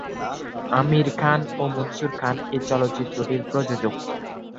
আমির খান ও মনসুর খান এই চলচ্চিত্রটির প্রযোজক।